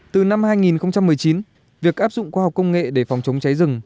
từ năm hai nghìn một mươi chín việc áp dụng khoa học công nghệ để phòng chống cháy rừng